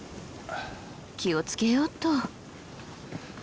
気を付けようっと。